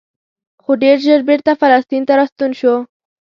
خو ډېر ژر بېرته فلسطین ته راستون شو.